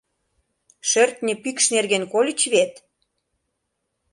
Шӧртньӧ пӱкш нерген кольыч вет?